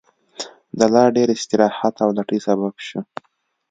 د لا ډېر استراحت او لټۍ سبب شو.